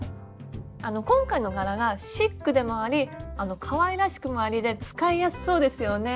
今回の柄がシックでもありかわいらしくもありで使いやすそうですよね。